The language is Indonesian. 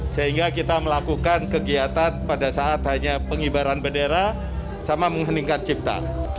sehingga kita melakukan kegiatan pada saat hanya pengibaran bendera sama mengheningkan cipta